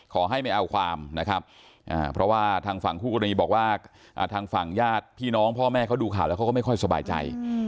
ขอให้ไม่เอาความนะครับเพราะว่าทางฝั่งคู่กรณีบอกว่าทางฝั่งญาติพี่น้องพ่อแม่เขาดูข่าวแล้วเขาก็ไม่ค่อยสบายใจ